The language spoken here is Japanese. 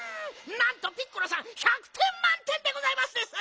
なんとピッコラさん１００てんまんてんでございますです！